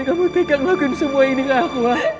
kamu tinggal ngelakuin semua ini kak